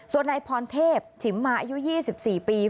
ส่วนนายพรเทพฉิมมาอายุ๒๔ปี